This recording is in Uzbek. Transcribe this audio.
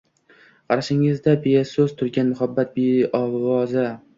Qarshingda beso‘z turgan muhabbat beovoza